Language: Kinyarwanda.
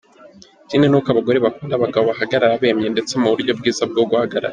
Ikindi ni uko abagore bakunda abagabo bahagarara bemye ndetse mu buryo bwiza bwo guhagarara.